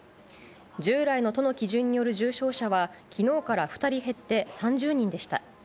従来の都の基準による重症者はきのうから２人減って３０人でした。